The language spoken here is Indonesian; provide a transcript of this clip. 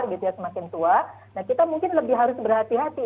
sementara kita semakin tua kita mungkin lebih harus berhati hati